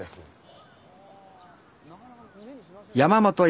はあ。